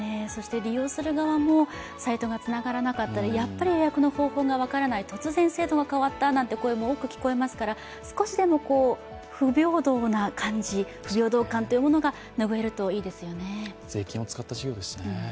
利用する側もサイトがつながらなかったりやっぱり予約のやり方が分からない、突然制度が変わったなんて声も多く聞かれますから少しでも不平等な感じ、不平等感がぬぐえるといいですね。